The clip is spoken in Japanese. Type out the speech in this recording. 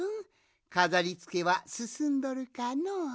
かざりつけはすすんどるかのう？